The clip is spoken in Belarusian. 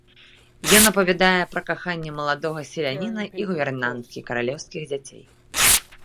Ён апавядае пра каханне маладога селяніна і гувернанткі каралеўскіх дзяцей.